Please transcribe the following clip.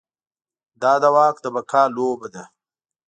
دا د واک د بقا لوبه ده.